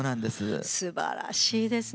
すばらしいですね。